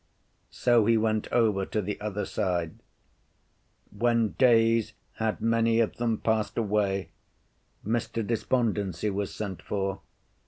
So he went over to the other side. When days had many of them passed away, Mr. Despondency was sent for.